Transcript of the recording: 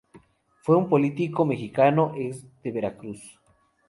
Fue un político mexicano, ex de Veracruz.